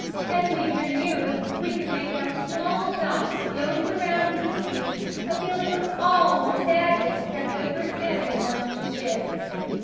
As we drew nearer, and could make out small dots floating around in the sea, a feeling of awe and sadness crept over everyone on the ship.